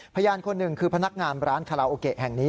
พยานคนหนึ่งคือพนักงานร้านคาราโอเกะแห่งนี้